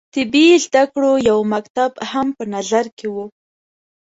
طبي زده کړو یو مکتب هم په نظر کې وو.